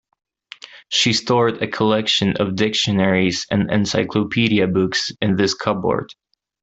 She stored a collection of dictionaries and encyclopedia books in this cupboard.